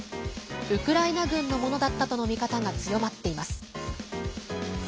ウクライナ軍のものだったとの見方が強まっています。